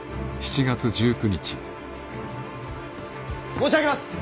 申し上げます！